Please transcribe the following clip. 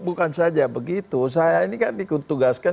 bukan saja begitu saya ini kan ditugaskan